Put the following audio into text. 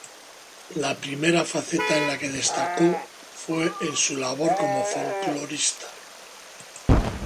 La primera faceta en la que destacó fue en su labor como folclorista.